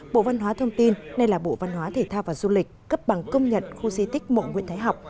bộ văn hóa thông tin nay là bộ văn hóa thể thao và du lịch cấp bằng công nhận khu di tích mộng nguyễn thái học